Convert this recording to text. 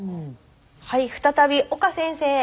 はい再び岡先生。